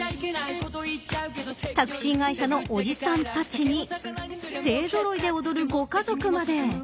タクシー会社のおじさんたちに勢ぞろいで踊るご家族まで。